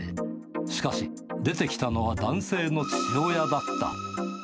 しかし、出てきたのは男性の父親だった。